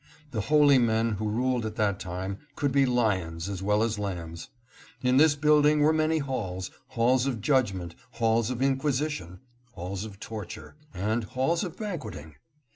The holy men who ruled at that day could be lions as well as lambs. In this building were many halls, — halls of judgment, halls of inquisi tion, halls of torture, and halls of banqueting.